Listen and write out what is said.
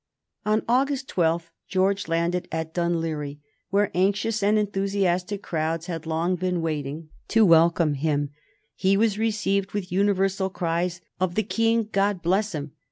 On August 12 George landed at Dunleary, where anxious and enthusiastic crowds had long been waiting to welcome him. He was received with universal cries of "The King! God bless him!"